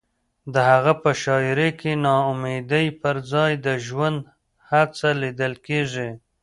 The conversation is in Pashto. د هغه په شاعرۍ کې د ناامیدۍ پر ځای د ژوند هڅه لیدل کېږي.